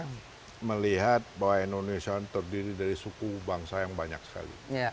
gini saya pertama melihat bahwa indonesia terdiri dari suku bangsa yang banyak sekali